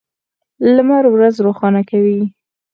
لمر ورځ روښانه کوي.